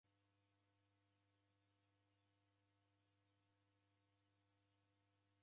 Naw'onieghe mka uko na kifu ukichiw'adia.